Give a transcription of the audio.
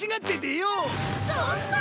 そんな！